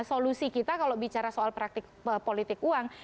solusi kita kalau bicara soal praktik politik uang